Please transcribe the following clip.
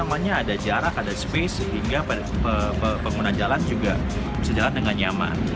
ada jarak ada space sehingga pengguna jalan juga bisa jalan dengan nyaman